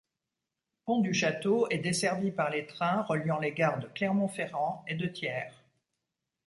Pont-du-Château est desservie par les trains reliant les gares de Clermont-Ferrand et de Thiers.